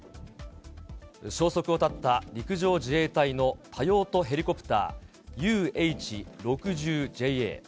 消息を絶った陸上自衛隊の多用途ヘリコプター、ＵＨ６０ＪＡ。